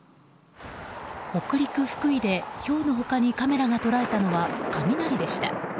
北陸・福井でひょうの他にカメラが捉えたのは雷でした。